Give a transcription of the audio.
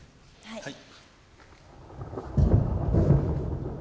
はい。